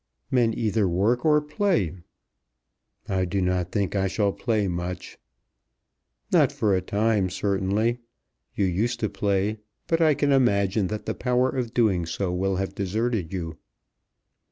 "Men either work or play." "I do not think I shall play much." "Not for a time certainly. You used to play; but I can imagine that the power of doing so will have deserted you."